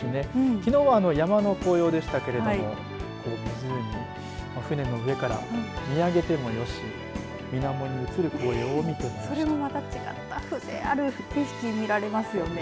きのうは山の紅葉でしたけれどもこの湖、船の上から見上げるもよし、水面に映る風景を見てそれもまた違った風情がある景色を見られますね。